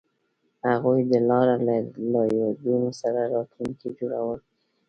هغوی د لاره له یادونو سره راتلونکی جوړولو هیله لرله.